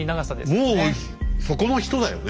もうそこの人だよね。